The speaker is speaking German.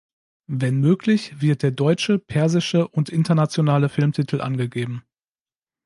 Wenn möglich wird der deutsche, persische und internationale Filmtitel angegeben.